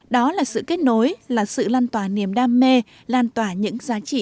đó là sự kết nối là sự lan tỏa niềm đam mê lan tỏa những giá trị